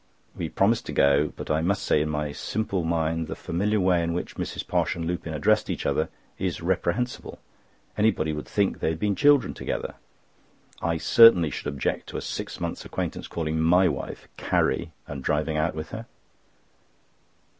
We promised to go; but I must say in my simple mind the familiar way in which Mrs. Posh and Lupin addressed each other is reprehensible. Anybody would think they had been children together. I certainly should object to a six months' acquaintance calling my wife "Carrie," and driving out with her.